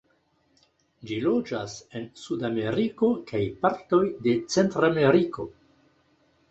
Ĝi loĝas en Sudameriko, kaj partoj de Centrameriko.